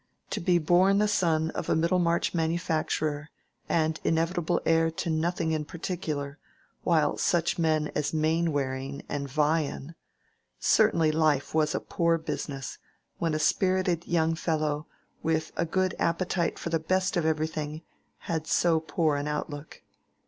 To be born the son of a Middlemarch manufacturer, and inevitable heir to nothing in particular, while such men as Mainwaring and Vyan—certainly life was a poor business, when a spirited young fellow, with a good appetite for the best of everything, had so poor an outlook.